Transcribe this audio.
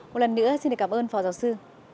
một lần nữa xin cảm ơn phó giáo sư